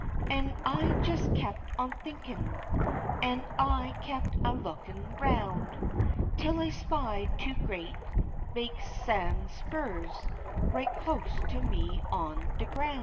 An' I jes kep' on a thinkin', an' I kep' a lookin' 'roun', Tel I spied two great big san' spurs right close by me on de groun'.